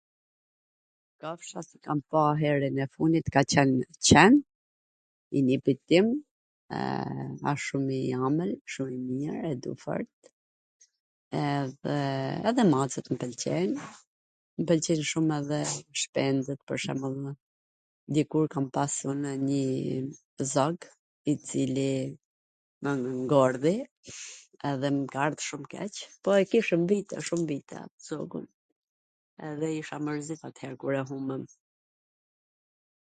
Kafsha qw kam pa herwn e funit ka qwn qwn i nipit tim, e asht shum i amwl, i mir, e du fort, edhe edhe macet mw pwlqejn, me pwlqejn shum edhe shpendwt, dikur kam pas edhe nji zog, i cili mw ngordhi, edhe mw ka ardh shum keq, po e kishim vite, shum vite at zogun, u mwrzita atwher....